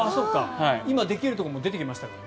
今、できるところも出てきましたからね。